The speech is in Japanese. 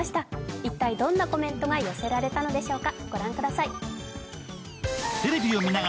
一体どんなコメントが寄せられたのでしょうか。